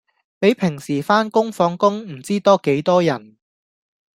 比平時番工放工唔知多幾多人